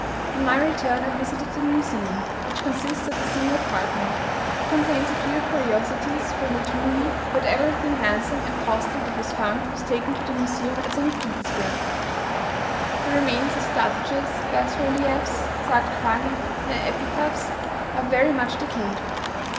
On my return, I visited the Museum, which consists of a single apartment. It contains a few curiosities from the tumuli, but everything handsome and costly that was found was taken to the Museum at St. Petersburgh. The remains of sculptures, bas reliefs, sarcophagi, and epitaphs are very much decayed.